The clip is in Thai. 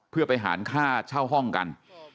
เพื่อไปหารค่าเช่าห้องกัน